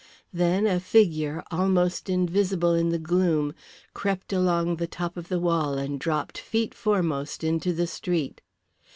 Then a figure, almost invisible in the gloom, crept along the top of the wall and dropped feet foremost into the street.